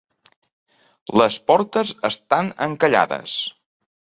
Les portes estan encallades.